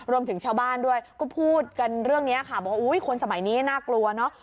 รวมถึงชาวบ้านด้วยก็พูดกันเรื่องนี้ค่ะบอกว่าอุ้ยคนสมัยนี้น่ากลัวเนอะ